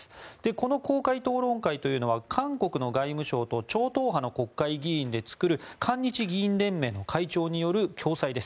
この公開討論会というのは韓国の外務省と超党派の国会議員で作る韓日議員連盟の会長による共催です。